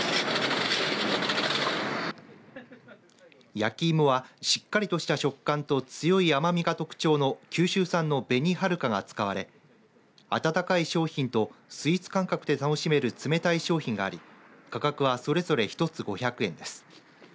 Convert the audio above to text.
焼き芋は、しっかりとした食感と強い甘みが特徴の九州産の紅はるかが使われ温かい商品とスイーツ感覚で楽しめる冷たい商品があり価格はそれぞれ１つ５００円です。